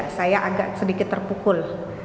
saya agak sedikit terpukul